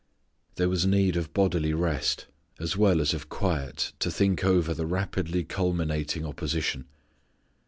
There was need of bodily rest, as well as of quiet to think over the rapidly culminating opposition.